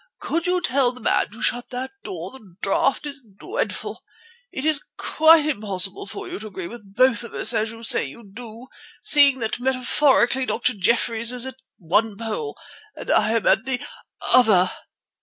Could you tell the man to shut that door? The draught is dreadful. It is quite impossible for you to agree with both of us, as you say you do, seeing that metaphorically Dr. Jeffreys is at one pole and I am at the other."